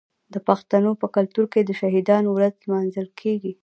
د پښتنو په کلتور کې د شهیدانو ورځ لمانځل کیږي.